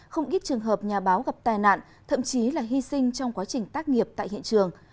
không ít trường hợp nhà báo gặp tai nạn thậm chí là hy sinh trong quá trình tác nghiệp tại hiện trường